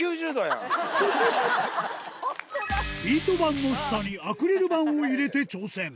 ビート板の下にアクリル板を入れて挑戦